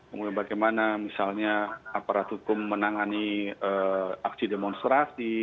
kemudian bagaimana misalnya aparat hukum menangani aksi demonstrasi